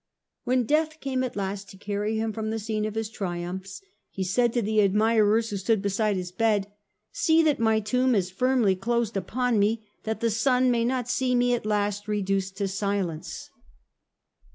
When death came at last to carry him from the scene of all his triumphs, he said to the admirers who stood beside hifj bed, ' See that my tomb is firmly closed upon me, that the sun may not see me at last reduced to silence.